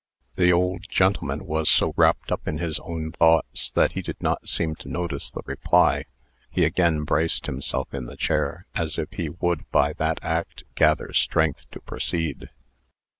The old gentleman was so wrapped up in his own thoughts, that he did not seem to notice the reply. He again braced himself in the chair, as if he would, by that act, gather strength to proceed.